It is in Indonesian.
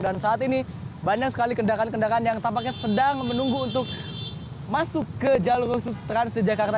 dan saat ini banyak sekali kendaraan kendaraan yang tampaknya sedang menunggu untuk masuk ke jalur usus transjakarta